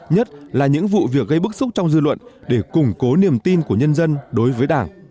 nhất là những vụ việc gây bức xúc trong dư luận để củng cố niềm tin của nhân dân đối với đảng